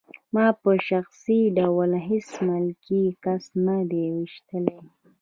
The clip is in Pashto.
ما په شخصي ډول هېڅ ملکي کس نه دی ویشتی